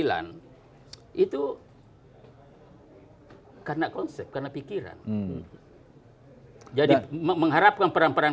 mengangkat saja disekjen tahun dua ribu sembilan itu karena konsep karena pikiran jadi mengharapkan peran peran